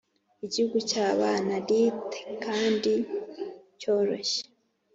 igihugu cyabana lithe kandi cyoroshye,